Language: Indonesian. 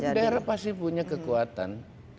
daerah pasti punya kekuatan